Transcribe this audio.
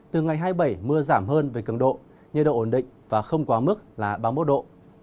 từ ngày hai mươi bảy mưa giảm hơn về cường độ nhiệt độ ổn định và không quá mức là ba mươi một độ